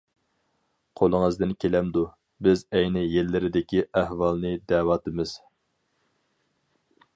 قولىڭىزدىن كېلەمدۇ؟ بىز ئەينى يىللىرىدىكى ئەھۋالنى دەۋاتىمىز.